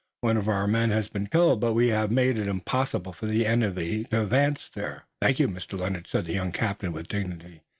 One of our men has been killed, but we have made it impossible for the enemy to advance there." "Thank you, Mr. Lennox," said the young captain with dignity.